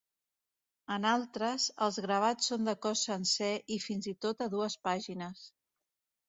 En altres, els gravats són de cos sencer i fins i tot a dues pàgines.